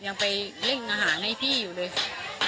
ยังไปเร่งอาหารให้พี่อยู่เลย